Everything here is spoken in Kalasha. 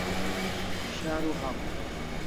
sharu hawaw